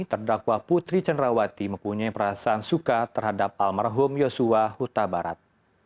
terdakwa putri cenrawati mempunyai perasaan suka terhadap almarhum yosua huta barat